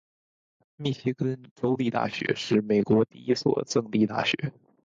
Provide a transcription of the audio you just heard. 密歇根州立大学是美国第一所赠地大学。